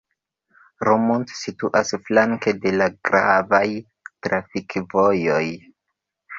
Romont situas flanke de la gravaj trafikvojoj.